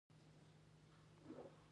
ایا زه یخې اوبه څښلی شم؟